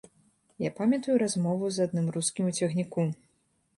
Я памятаю размову з адным рускім у цягніку.